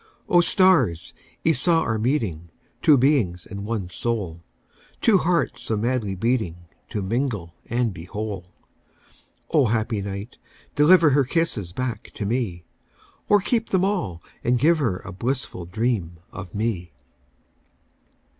O, stars, ye saw our meeting, Two beings and one soul, Two hearts so madly beatingTo mingle and be whole!O, happy night, deliverHer kisses back to me, Or keep them all, and give herA blissful dream of me!